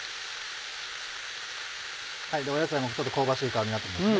野菜もちょっと香ばしい香りになってきましたね。